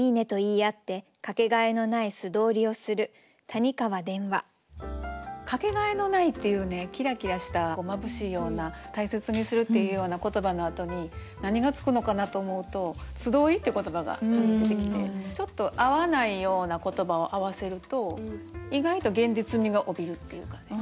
江戸さんのテーマ「かけがえのない」っていうねキラキラしたまぶしいような大切にするっていうような言葉のあとに何がつくのかなと思うと「素通り」って言葉が出てきてちょっと合わないような言葉を合わせると意外と現実味が帯びるっていうかね。